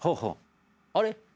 あれ？